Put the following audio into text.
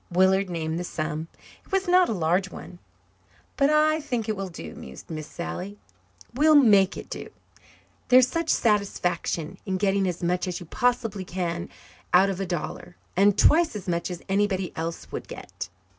Willard named the sum. It was not a large one. "But I think it will do," mused Miss Sally. "We'll make it do. There's such satisfaction getting as much as you possibly can out of a dollar, and twice as much as anybody else would get.